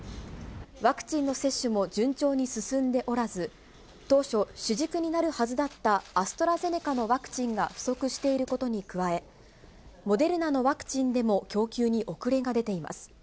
ワクチンの接種も順調に進んでおらず、当初、主軸になるはずだったアストラゼネカのワクチンが不足していることに加え、モデルナのワクチンでも供給に遅れが出ています。